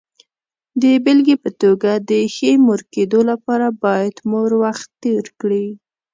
د بېلګې په توګه، د ښې مور کېدو لپاره باید مور وخت تېر کړي.